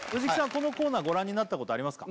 このコーナーご覧になったことありますか？